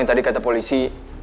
yang tadi kata polisi